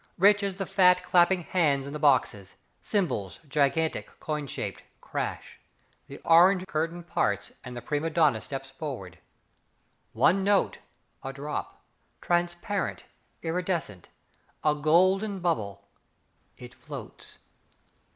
Rich as the fat, clapping hands in the boxes. Cymbals, gigantic, coin shaped, Crash. The orange curtain parts And the prima donna steps forward. One note, A drop: transparent, iridescent, A gold bubble, It floats...